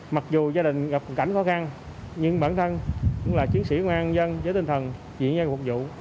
mặc dù gia đình gặp cảnh khó khăn nhưng bản thân cũng là chiến sĩ công an dân với tinh thần chỉ dân phục vụ